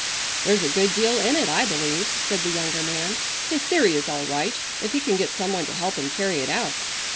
"There's a good deal in it, I believe," said the younger man. "His theory is all right if he can get some one to help him carry it out."